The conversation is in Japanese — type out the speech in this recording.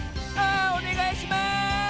あおねがいします！